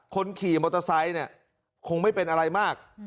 คนขี่มอเตอร์ไซค์เนี่ยคงไม่เป็นอะไรมาก